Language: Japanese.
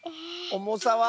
おもさは？